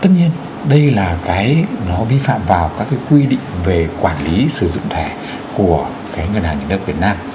tất nhiên đây là cái nó vi phạm vào các cái quy định về quản lý sử dụng thẻ của cái ngân hàng nhà nước việt nam